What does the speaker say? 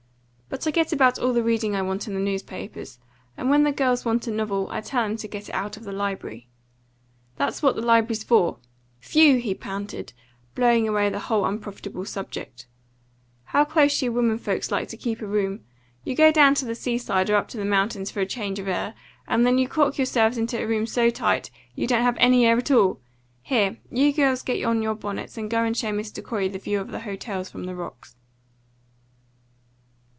"But I get about all the reading I want in the newspapers. And when the girls want a novel, I tell 'em to get it out of the library. That's what the library's for. Phew!" he panted, blowing away the whole unprofitable subject. "How close you women folks like to keep a room! You go down to the sea side or up to the mountains for a change of air, and then you cork yourselves into a room so tight you don't have any air at all. Here! You girls get on your bonnets, and go and show Mr. Corey the view of the hotels from the rocks."